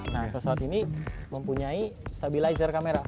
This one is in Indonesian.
nah pesawat ini mempunyai stabilizer kamera